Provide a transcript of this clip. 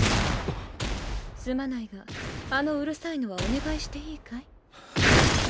すまないがあのうるさいのはお願いしていいかい？